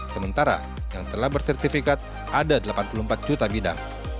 sementara yang telah bersertifikat ada delapan puluh empat juta bidang